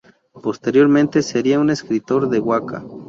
Posteriormente sería un escritor de waka.